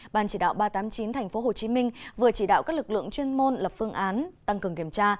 ban chỉ đạo ba trăm tám mươi chín tp hcm vừa chỉ đạo các lực lượng chuyên môn lập phương án tăng cường kiểm tra